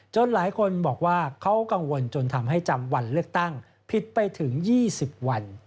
หลายคนบอกว่าเขากังวลจนทำให้จำวันเลือกตั้งผิดไปถึง๒๐วัน